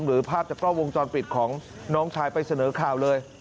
ภาพจากกล้องวงจรปิดของน้องชายไปเสนอข่าวเลย